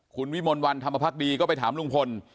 คุณวิมลวันธรรมพักดีก็ไปถามลุงพล